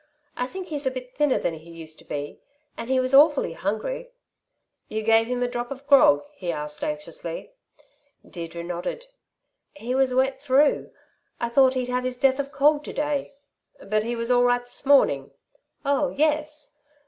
I think he's a bit thinner than he used to be, and he was awfully hungry." "You gave him a drop of grog?" he asked, anxiously. Deirdre nodded. "He was wet through. I thought he'd have his death of cold to day." "But he was all right this morning?" "Oh, yes."